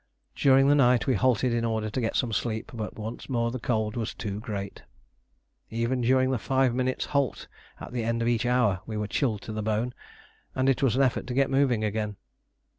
During the night we halted in order to get some sleep, but once more the cold was too great. Even during the five minutes' halts at the end of each hour we were chilled to the bone, and it was an effort to get moving again.